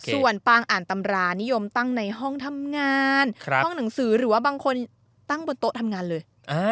ส่วนปางอ่านตำรานิยมตั้งในห้องทำงานห้องหนังสือหรือว่าบางคนตั้งบนโต๊ะทำงานเลย